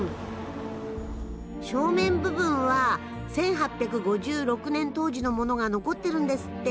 正面部分は１８５６年当時のものが残ってるんですって。